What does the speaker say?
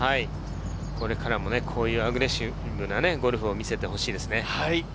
これからもこういうアグレッシブなゴルフを見せてほしいですね。